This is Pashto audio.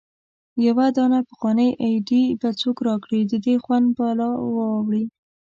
يو دانه پخوانۍ ايډي به څوک را کړي د دې خوند بالا ولاړی